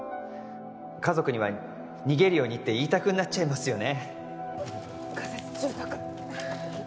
家族には「逃げるように」って言いたくなっちゃいますよね